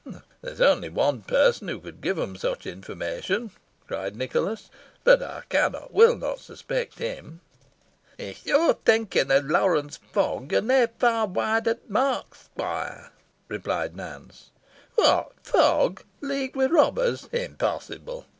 "There is only one person who could give them such information," cried Nicholas; "but I cannot, will not suspect him." "If yor're thinkin' o' Lawrence Fogg, yo're na far wide o' th' mark, squoire," replied Nance. "What! Fogg leagued with robbers impossible!"